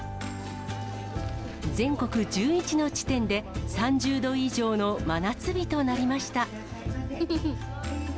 全国１１の地点で、３０度以上の真夏日となりました。